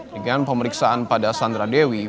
dengan pemeriksaan pada sandra dewi